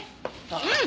うん。